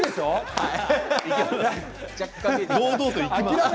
堂々といきます。